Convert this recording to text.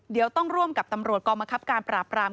เดี๋ยวต้องร่วมกับตำรวจกองบังคับการปราบราม